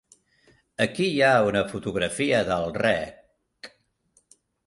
Aquí hi ha una fotografia del Rec.